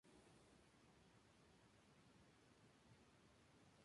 Todo esto hace que el concejo este perfectamente comunicado en el Principado.